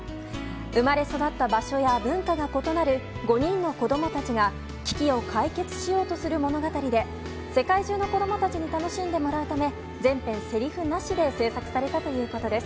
生まれ育った場所や文化が異なる５人の子供たちが危機を解決しようとする物語で世界中の子供たちに楽しんでもらうため全編せりふなしで制作されたということです。